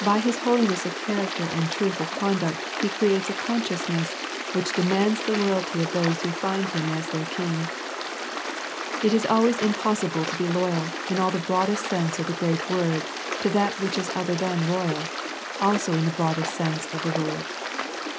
By His holiness of character and truth of conduct He creates a consciousness which demands the loyalty of those who find Him as their King. It is always impossible to be loyal in all the broadest sense of the great word to that which is other than royal, also in the broadest sense of the word.